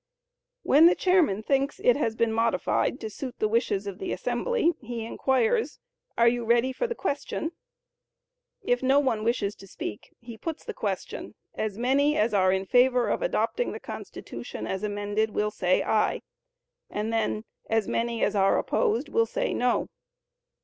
When the chairman thinks it has been modified to suit the wishes of the assembly, he inquires, "Are you ready for the question?" If no one wishes to speak, he puts the question, "As many as are in favor of adopting the Constitution as amended, will say aye;" and then, "As many as are opposed, will say no."